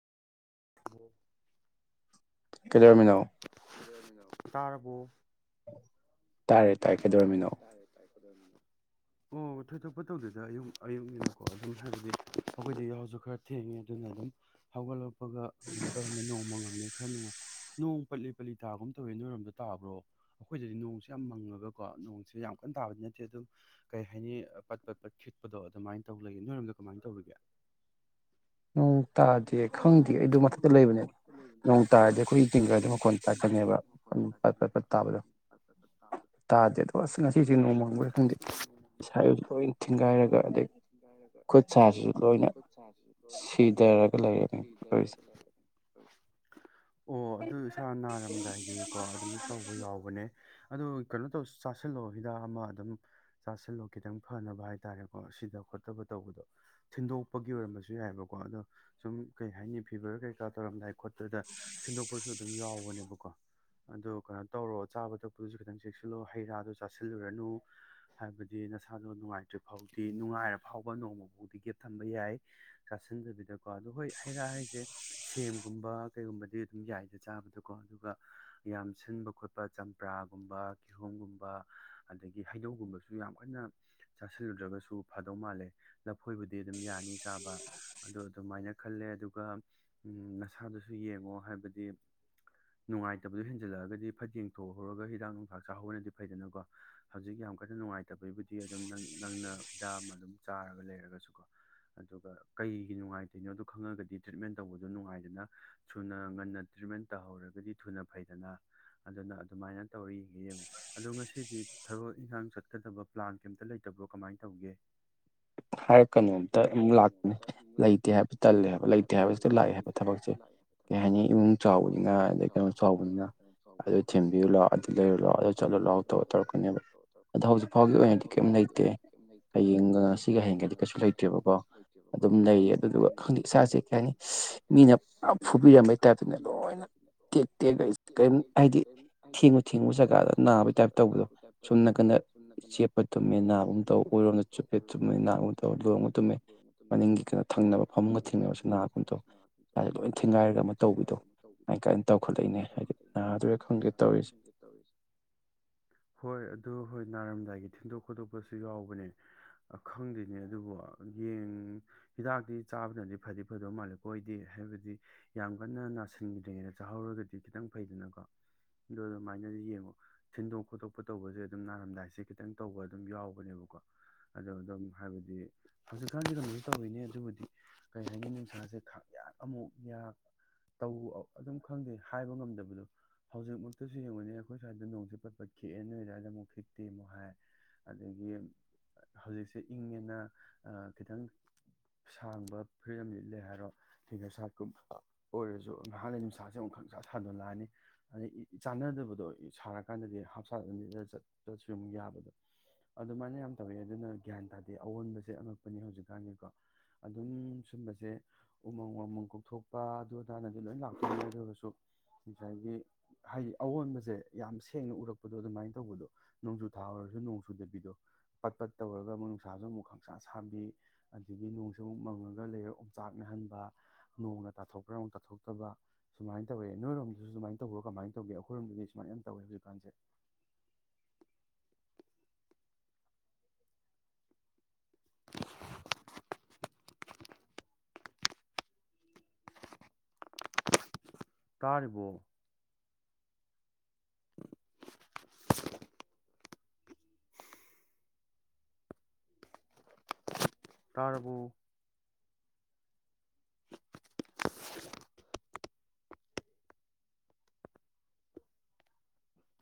ꯍ ꯀꯗꯃꯤꯅ ꯇꯥꯔꯕꯨꯣ ꯇꯥꯏꯔꯦ ꯇꯥꯏ ꯀꯩꯗꯧꯔꯝꯃꯤꯅꯣ ꯇꯥꯔꯦ ꯇꯥꯔꯦ ꯀꯩꯗꯧꯔꯝꯃꯤꯅꯣ ꯑꯣ ꯊꯣꯏꯗꯣꯛꯄ ꯇꯧꯗꯗ ꯑꯌꯨꯛ ꯑꯌꯨꯛꯅꯤꯗꯀꯣ ꯑꯗꯨꯝ ꯍꯥꯏꯕꯗꯤ ꯑꯩꯈꯣꯏꯗꯤ ꯌꯥꯎꯁꯨ ꯈꯔ ꯊꯦꯡꯉꯦ ꯑꯗꯨ ꯑꯩꯅ ꯑꯗꯨꯝ ꯍꯧꯒꯠꯂꯛꯄꯒ ꯀꯩꯅꯣ ꯇꯧꯔꯝꯃꯤ ꯅꯣꯡꯃ ꯉꯝꯃꯤ ꯈꯔ ꯅꯨꯡꯉꯥꯏ ꯅꯣꯡ ꯄꯠꯂꯤ ꯄꯠꯂꯤ ꯇꯥꯒꯨꯝ ꯇꯧꯋꯦ ꯅꯣꯏꯔꯣꯝꯗ ꯇꯥꯕ꯭ꯔꯣ ꯑꯩꯈꯣꯏꯗꯗꯤ ꯅꯣꯡꯁꯦ ꯌꯥꯝ ꯃꯪꯉꯒꯀꯣ ꯅ ꯁꯤ ꯌꯥꯝ ꯀꯟꯅ ꯇꯥꯕꯗꯤ ꯅꯠꯇꯦ ꯑꯗꯨ ꯀꯩ ꯍꯥꯏꯅꯤ ꯄꯠ ꯄꯠ ꯄꯠ ꯈꯤꯠꯄꯗꯣ ꯑꯗꯨꯃꯥꯏꯅ ꯇꯧ ꯂꯩꯒꯦ ꯅꯣꯏꯔꯣꯝꯗ ꯀꯃꯥꯏꯅ ꯇꯧꯔꯤꯒꯦ [unintelligible] ꯅꯣꯡ ꯇꯥꯗꯦ ꯈꯪꯗꯦ ꯑꯩꯗ ꯃꯊꯛꯇ ꯂꯩꯕꯅꯦ ꯅꯣꯡ ꯇꯥꯔꯗꯤ ꯑꯩꯈꯣꯏ ꯇꯤꯡꯒꯗ ꯃꯈꯣꯟ ꯇꯥꯛꯀꯅꯦꯕ ꯑꯗꯨ ꯐꯣꯟ ꯄꯠ ꯄꯠ ꯄꯠ ꯇꯥꯕꯗꯣ ꯇꯕ ꯇ ꯇꯥꯗꯦ ꯑꯗꯣ ꯑꯁ ꯉꯁꯤꯁꯦ ꯅꯣꯡꯃꯥꯡꯕ꯭ꯔ ꯈꯪꯗꯦ ꯁꯥꯏ ꯂꯣꯏꯅ ꯊꯤꯡꯒꯥꯏꯔꯒ ꯑꯗꯗꯒꯤ ꯈꯨꯠ ꯁꯥꯁꯤꯁꯨ ꯂꯣꯏꯅ ꯁꯤꯗꯔꯒꯂ ꯁꯤ ꯑꯣ ꯑꯗꯨ ꯏꯁꯥ ꯅꯥꯔꯝꯗꯥꯏꯒꯤꯀꯣ ꯑꯗꯨꯝ ꯇꯧꯕ ꯌꯥꯎꯕꯅꯦ ꯑꯗꯨ ꯀꯩꯅꯣ ꯇꯧꯁ ꯆꯥꯁꯤꯜꯂꯣ ꯍꯤꯗꯥꯛ ꯑꯃ ꯑꯗꯨꯝ ꯆꯥꯁꯤꯜꯂꯣ ꯈꯤꯇꯪ ꯐꯅꯕ ꯍꯥꯏꯇꯥꯔꯦꯀꯣ ꯁꯤꯗ ꯈꯣꯠꯇꯕ ꯇꯧꯕꯗꯣ ꯊꯤꯟꯗꯣꯛꯄꯒꯤ ꯑꯣꯏꯔꯝꯕꯁꯨ ꯌꯥꯏꯑꯕꯀꯣ ꯑꯗꯣ ꯁꯨꯝ ꯀꯩ ꯍꯥꯏꯅꯤ ꯐꯤꯚꯔ ꯀꯩꯀꯥ ꯇꯧꯔꯝꯗꯥꯏ ꯈꯣꯠꯄꯗ ꯊꯤꯟꯗꯣꯛꯄꯁꯨ ꯑꯗꯨꯝ ꯌꯥꯎꯕꯅꯦꯕꯀꯣ ꯑꯗꯣ ꯀꯩꯅꯣ ꯇꯧꯔꯣ ꯆꯥꯕ ꯊꯛꯄꯗꯨꯁꯨ ꯈꯤꯇꯪ ꯆꯦꯛꯁꯤꯜꯂꯛꯑꯣ ꯍꯩ ꯔꯥꯗꯣ ꯆꯥꯁꯤꯜꯂꯨꯔꯅꯨ ꯍꯥꯏꯕꯗꯤ ꯅꯁꯥꯗꯣ ꯅꯨꯡꯉꯥꯏꯇ꯭ꯔꯤ ꯐꯥꯎꯗꯤ ꯅꯨꯡꯉꯥꯏꯔ ꯐꯥꯎꯕ ꯅꯣꯡꯃ ꯥꯎꯗꯤ ꯒꯦꯞ ꯊꯝꯕ ꯌꯥꯏ ꯆꯥꯁꯤꯟꯗꯕꯤꯗꯀꯣ ꯑꯗꯣ ꯍꯣꯏ ꯍꯩ ꯔꯥ ꯍꯥꯏꯁꯦ ꯁꯦꯝꯒꯨꯝꯕ ꯀꯩꯒꯨꯝꯕꯗꯤ ꯑꯗꯨꯝ ꯌꯥꯏꯗ ꯆꯥꯕꯗꯣꯀꯣ ꯑꯗꯨꯒ ꯌꯥꯝ ꯁꯤꯟꯕ ꯈꯣꯠꯄ ꯆꯝꯄ꯭ꯔꯥ ꯑꯗꯨꯒꯅꯥꯨꯝꯕ ꯀꯤꯍꯣꯝꯒꯨꯝꯕ ꯑꯗꯒꯤ ꯍꯩꯗꯧꯒꯨꯝꯕꯁꯨ ꯌꯥꯝ ꯀꯟꯅ ꯆꯥꯁꯤꯜꯂꯨꯗ꯭ꯔꯒꯁꯨ ꯐꯗꯧ ꯃꯥꯜꯂꯦ ꯂꯐꯣꯏꯕꯨꯗꯤ ꯑꯗꯨꯝ ꯌꯥꯅꯤ ꯆꯥꯕ ꯑꯣ ꯑꯗꯨꯃꯥꯏꯅ ꯈꯜꯂꯦ ꯑꯗꯨꯒ ꯅꯁꯥꯗꯨꯁꯨ ꯁꯨ ꯌꯦꯡꯉꯣ ꯍꯥꯏꯕꯗꯤ ꯅꯨꯡꯉꯥꯏꯇꯕꯗꯨ ꯍꯦꯟꯖꯜꯂꯛꯑꯒꯗꯤ ꯐꯖꯦꯡ ꯊꯣꯛꯍꯔꯨꯔꯒ ꯍꯤꯗꯥꯛ ꯅꯨꯡꯊꯥꯛ ꯆꯥꯛꯍꯧꯕꯅꯗꯤ ꯐꯩꯗꯅꯀꯣ ꯍꯧꯖꯤꯛ ꯌꯥꯝ ꯀꯟꯅ ꯅꯨꯡꯉꯥꯏꯇꯕꯒꯤꯕꯨꯗꯤ ꯑꯗꯨꯝ ꯅꯪ ꯅꯪꯅ ꯍꯤꯗꯥꯛ ꯑꯃ ꯑꯗꯨꯝ ꯆꯥꯔꯒ ꯂꯩꯔꯒꯁꯨꯀꯣ ꯑꯗꯨꯒ ꯀꯩꯒꯤ ꯅꯨꯡꯉꯥꯏꯇꯤꯅꯣꯗꯨ ꯈꯪꯉꯒꯗꯤ ꯇ꯭ꯔꯤꯠꯃꯦꯟ ꯇꯧꯕ ꯅꯨꯡꯉꯥꯏꯗꯅ ꯊꯨꯅ ꯉꯟꯅ ꯇ꯭ꯔꯤꯠꯃꯦꯟ ꯇꯧꯍꯧꯔꯒꯗꯤ ꯊꯨꯅ ꯐꯩꯗꯅ ꯑꯗꯨꯅ ꯑꯗꯨꯃꯥꯏꯅ ꯇꯧꯔꯤ ꯏꯟꯁꯥꯟ ꯆꯠꯀꯗꯕ ꯄ꯭ꯂꯥꯟ ꯀꯩꯝꯇ ꯂꯩꯇꯕ꯭ꯔꯣ ꯀꯃꯥꯏꯟ ꯇꯧꯒꯦ [unintelligible] ꯍꯥꯏꯔꯛ ꯀꯩꯅꯣꯝꯇ ꯑꯃꯨꯛ ꯂꯥꯛꯄꯅꯦ ꯂꯩꯇꯦ ꯍꯥꯏꯕ ꯇꯜꯂꯦꯕ ꯂꯩꯇꯦ ꯍꯥꯏꯕꯁꯤꯗ ꯂꯥꯛꯑꯦ ꯍꯥꯏꯕ ꯊꯕꯛꯁꯦ ꯀꯩ ꯍꯥꯏꯅꯤ ꯏꯃꯨꯡ ꯆꯥꯎꯕꯅꯤꯅ ꯑꯗꯩ ꯀꯩꯅꯣ ꯆꯥꯎꯕꯅꯤꯅ ꯑꯗꯨ ꯊꯦꯝꯕꯤꯌꯨ ꯂꯥꯎ ꯑꯗꯨ ꯂꯩꯔꯣ ꯂꯥꯛꯑꯣ ꯑꯗ ꯆꯠꯂꯣ ꯂꯥꯛꯑꯣ ꯇꯧꯔ ꯇꯧꯔꯛꯀꯄꯅꯦꯕ ꯑꯗꯣ ꯍꯧꯖꯤꯛ ꯐꯥꯎꯒꯤ ꯑꯣꯏꯅꯗꯤ ꯀꯦꯝ ꯂꯩꯇꯦ ꯍꯌꯦꯡꯒꯁ ꯁꯤꯒ ꯍꯦꯟꯒꯗꯤ ꯀꯩꯁꯨ ꯂꯩꯇ꯭ꯔꯦꯕꯀꯣ ꯑꯗꯨꯝ ꯂꯩꯌꯦ ꯑꯗꯨꯗꯨꯒ ꯍꯪꯗꯛ ꯏꯁꯥꯁꯦ ꯀꯩ ꯍꯥꯏꯅꯤ ꯃꯤꯅ ꯃꯤꯅ ꯐꯨꯕꯤꯔꯝꯕꯩ ꯄꯨꯂꯞ ꯇꯥꯏꯞꯇꯅꯦ ꯐꯨꯕꯤꯔꯝꯕꯩ ꯂꯣꯏꯅ ꯇꯥꯏꯕ ꯇꯦꯛ ꯇꯦꯛꯒ ꯄꯨꯡꯇꯦꯛ ꯀꯔꯤꯝ ꯇꯦꯛꯑꯒ ꯍꯥꯏꯗꯤ ꯍꯥꯏꯗꯤ ꯊꯦꯡꯉꯨ ꯊꯦꯡꯉꯨ ꯁꯤꯅ ꯖꯒꯥꯗ ꯁꯤꯅ ꯅꯥꯕꯩ ꯇꯥꯏꯞ ꯖꯒꯥꯗ ꯇꯧꯕꯗꯣ ꯅꯥꯕꯒꯤ ꯇꯥꯏꯞ ꯁꯣꯝ ꯇꯧꯕꯗꯣ ꯅꯥꯀꯟꯗ ꯁꯨꯝ ꯅꯥ ꯀꯟꯅ ꯆꯦꯠꯄ ꯇꯨꯝꯃꯦ ꯆꯦꯠꯄ ꯅꯥꯕꯒꯨꯝ ꯇꯧ ꯊꯨꯝꯃꯦ ꯅꯥꯒꯨꯝ ꯑꯣꯏꯔꯣꯝꯗ ꯆꯨꯞꯄꯦ ꯇꯧꯕ ꯇꯨꯝꯃꯦ ꯅꯥꯕꯒꯨꯝ ꯇꯧ ꯂꯣꯏꯔꯣꯝꯒ ꯇꯨꯝꯃꯦ ꯃꯅꯤꯡꯒꯤ ꯀꯩꯅꯣ ꯊꯪꯅꯕ ꯐꯃꯨꯡꯒ ꯊꯦꯡꯅꯕꯁꯨ ꯅꯥꯒꯨꯝ ꯇꯧ [unintelligible] ꯏꯁꯥꯁꯦ ꯂꯣꯏ ꯊꯦꯡꯒꯥꯏꯔꯒ ꯑꯃ ꯇꯧꯕꯤꯗꯣ ꯊꯤꯟꯅꯔꯒ ꯑꯃ ꯇꯧꯕꯤꯗꯣ ꯑꯗꯨꯃꯥꯏ ꯀꯥꯏꯅ ꯇꯧꯈꯠꯂꯛꯏꯅꯦ ꯀꯥꯏꯅ ꯍꯥꯏꯗꯤ ꯅꯥꯗꯣꯏꯔꯥ ꯇꯧꯈꯠꯂꯛꯏꯅꯦ ꯈꯪꯗꯦ ꯅꯥꯗꯨꯏꯔꯥ ꯇꯧꯔꯤꯁꯦ ꯈꯪꯗꯦ ꯇꯧꯔꯤꯁꯦ [inaudible] ꯍꯣꯏ ꯑꯗꯨ ꯍꯣꯏ ꯅꯥꯔꯝꯗꯥꯏꯒꯤ ꯊꯤꯟꯗꯣꯛ ꯈꯣꯠꯇꯣꯛꯄꯁꯨ ꯌꯥꯎꯕꯅꯦ ꯈꯪꯗꯤꯅꯦ ꯑꯗꯨꯕꯨ ꯌꯦꯟ ꯍꯤꯗꯥꯛꯇꯤ ꯆꯥꯕꯅꯗꯤ ꯐꯗꯤ ꯐꯗꯧ ꯃꯥꯜꯂꯦ ꯀꯣꯏꯗꯤ ꯍꯥꯏꯕꯗꯤ ꯌꯥꯝ ꯀꯟꯅ ꯅꯥꯁꯤꯟꯗ꯭ꯔꯤꯉꯩꯗ ꯆꯥꯛꯍꯧꯔꯒꯗꯤ ꯈꯤꯇꯪ ꯐꯩꯗꯅꯀꯣ ꯑ ꯃꯥꯏꯅ ꯌꯦꯡꯉꯣ ꯊꯤꯟꯗꯣꯛ ꯈꯣꯠꯇꯣꯛꯄ ꯇꯧꯕꯁꯦ ꯑꯗꯨꯝ ꯅꯥꯔꯝꯗꯥꯏꯁꯦ ꯈꯤꯇꯪ ꯇꯧꯕ ꯑꯗꯨꯝ ꯌꯥꯎꯕꯅꯦꯕꯀꯣ ꯑꯗꯣ ꯑꯗꯨꯝ ꯍꯥꯏꯕꯗꯤ ꯍꯧꯖꯤꯛꯀꯥꯟꯗꯤ ꯀꯩꯅꯣꯁꯨ ꯇꯧꯔꯤꯅꯦ ꯑꯗꯨꯕꯨꯗꯤ ꯀꯩ ꯍꯥꯏꯅꯤ ꯅꯨꯡꯁꯥꯁꯦ ꯌꯥꯛ ꯑꯃꯨꯛ ꯌꯥꯛ ꯇꯧ ꯑꯗꯨꯝ ꯈꯪꯗꯦ ꯍꯥꯏꯕ ꯉꯝꯗꯕꯗꯣ ꯍꯧꯖꯤꯛ ꯗꯨꯁꯨ ꯌꯦꯡꯉꯨꯅꯦ ꯑꯩꯈꯣꯏ ꯁ꯭ꯋꯥꯏꯗ ꯅꯣꯡꯁꯦ ꯄꯠ ꯄꯠ ꯈꯤꯛꯑꯦ ꯅꯣꯏ ꯑꯗꯨꯋꯥꯏꯗ ꯑꯃꯨꯛ ꯈꯤꯛꯇꯦ ꯑꯃꯨꯛ ꯍꯥꯏ ꯑꯗꯒꯤ ꯍꯧꯖꯤꯛꯁꯦ ꯏꯪꯉꯦꯅ ꯑ ꯈꯤꯇꯪ ꯁꯥꯡꯕ ꯐꯨꯔꯤꯠ ꯑꯝ ꯂꯤ ꯂꯦ ꯍꯥꯏꯔꯣ ꯐꯤꯒꯔ ꯁꯥꯔꯠꯀꯨꯝꯕ ꯑꯣꯏꯔꯁꯨ ꯅꯍꯥꯟꯋꯥ ꯅꯨꯡꯁꯥꯁꯦ ꯑꯃꯨꯛ ꯈꯪꯁꯥ ꯁꯥꯗꯣꯂꯛꯑꯅꯤ ꯑꯗꯩ ꯏ ꯆꯥꯟꯅꯗꯕꯗꯣ ꯁꯥꯔꯀꯥꯟꯗꯗꯤ ꯍꯥꯞꯁꯥꯠ ꯑꯝ ꯂꯤꯠꯂ ꯆꯠ ꯆ ꯁꯨ ꯑꯃꯨꯛ ꯌꯥꯕꯗꯣ ꯑꯗꯨꯃꯥꯏꯅ ꯌꯥꯝ ꯇꯧꯋꯦ ꯑꯗꯨꯅ ꯒ꯭ꯌꯥꯟ ꯇꯥꯗꯦ ꯑꯑꯣꯟꯕꯁꯦ ꯑꯉꯛꯄꯅꯦ ꯍꯧꯖꯤꯛꯀꯥꯟꯗꯤꯀꯣ ꯑꯗꯨꯝ ꯁꯨꯝꯕꯁꯦ ꯎꯃꯪ ꯋꯥꯃꯪ ꯀꯣꯛꯊꯣꯛꯄ ꯑꯗꯨ ꯑꯇꯥꯅꯗꯤ ꯂꯣꯏ ꯂꯥꯛꯊꯣꯛꯑꯅꯤ ꯑꯗꯨꯁꯨ ꯉꯁꯥꯏꯒꯤ ꯍꯥꯏꯗꯤ ꯑꯑꯣꯟꯕꯁꯦ ꯌꯥꯝ ꯁꯦꯡꯅ ꯎꯔꯛꯄꯗꯣ ꯑꯗꯨꯃꯥꯏꯅ ꯇꯧꯕꯗꯣ ꯅꯣꯡꯖꯨ ꯊꯥ ꯑꯣꯏꯔꯁꯨ ꯅꯣꯡ ꯆꯨꯗꯕꯤꯗꯣ ꯄꯠ ꯄꯠ ꯇꯧꯔꯒ ꯑꯃꯨꯛ ꯅꯨꯡꯁꯥꯁꯨ ꯑꯃꯨꯛ ꯈꯪꯁꯥ ꯁꯥꯕꯤ ꯑꯗꯒꯤ ꯅꯣꯡꯁꯨ ꯑꯃꯨꯛ ꯃꯪꯉꯒ ꯂꯩꯔꯒ ꯑꯣꯆꯥꯛ ꯅꯍꯟꯕ ꯅꯣꯡ ꯅ ꯇꯊꯣꯛ ꯇꯊꯣꯛꯇꯕ ꯁꯨꯃꯥꯏꯟ ꯇꯧꯋꯦ ꯅꯤꯏꯔꯣꯝꯒꯤꯁꯨ ꯃꯥꯏꯟ ꯇꯧꯕ꯭ꯔꯣ ꯀꯃꯥꯏꯟ ꯇꯧꯒꯦ ꯑꯈꯣꯏꯔꯣꯟꯕꯗꯤ ꯁꯨꯃꯥꯏꯅ ꯌꯥꯝ ꯇꯧꯋꯦ ꯍꯧꯖꯤꯛꯀꯥꯟꯁꯦ ꯇꯥꯥꯔꯤꯕꯣ ꯇꯥꯔꯕꯨ